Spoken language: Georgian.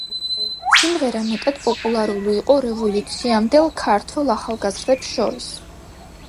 სიმღერა მეტად პოპულარული იყო რევოლუციამდელ ქართველ ახალგაზრდებს შორის.